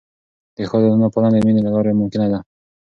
د ښو عادتونو پالنه د مینې له لارې ممکنه ده.